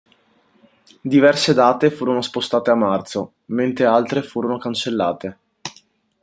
Diverse date furono spostate a marzo, mentre altre furono cancellate.